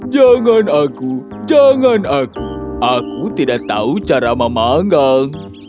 jangan aku jangan aku aku tidak tahu cara memanggang